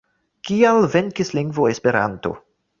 Kial venkis lingvo Esperanto?